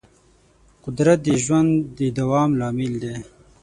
قدرت د ژوند د دوام لامل دی.